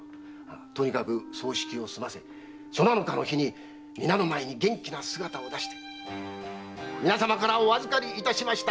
とにかく葬式を済ませ初七日の日皆の前に元気な姿を出して「皆さまからお預かりしました